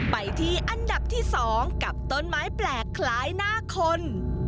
ไปที่อันดับที่๒กับต้นไม้แปลกคล้ายหน้าคน